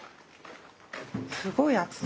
すごい熱さ。